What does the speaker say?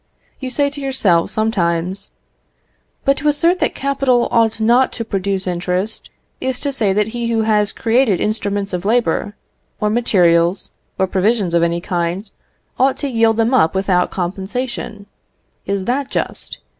You say to yourselves sometimes, "But to assert that capital ought not to produce interest, is to say that he who has created instruments of labour, or materials, or provisions of any kind, ought to yield them up without compensation. Is that just?